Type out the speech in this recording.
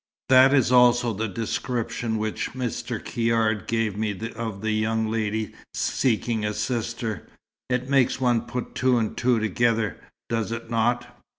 That is also the description which Mr. Caird gave me of the young lady seeking a sister. It makes one put two and two together, does it not?"